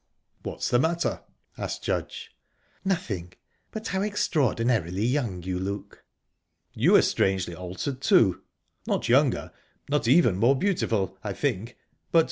"What's the matter?" asked Judge. "Nothing but how extraordinarily young you look!" "You are strangely altered, too. Not younger, not even more beautiful, I think, but...